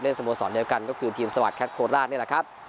สโมสรเดียวกันก็คือทีมสวัสแคทโคราชนี่แหละครับ